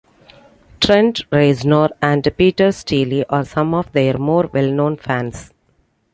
Trent Reznor and Peter Steele are some of their more well-known fans.